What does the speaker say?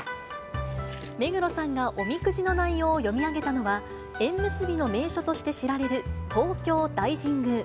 目黒さんがおみくじの内容を読み上げたのは、縁結びの名所として知られる東京大神宮。